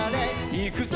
「いくぞ！